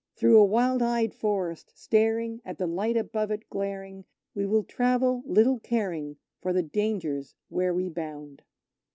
Through a wild eyed Forest, staring at the light above it glaring, We will travel, little caring for the dangers where we bound.